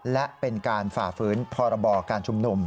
และเป็นการฝ่าฝืนพรบการชุมนุม